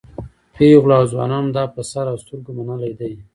پېغلو او ځوانانو دا په سر او سترګو منلی دی.